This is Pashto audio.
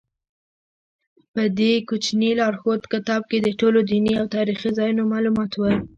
په دې کوچني لارښود کتاب کې د ټولو دیني او تاریخي ځایونو معلومات و.